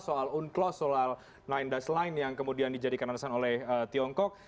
soal unclos soal sembilan line yang kemudian dijadikan alasan oleh tiongkok